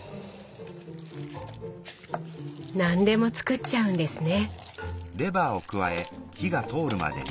何でも作っちゃうんですね。